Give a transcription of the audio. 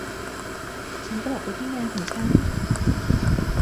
ฉันกลับไปที่งานของฉัน